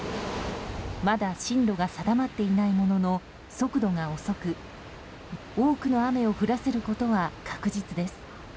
まだ進路が定まっていないものの速度が遅く多くの雨を降らせることは確実です。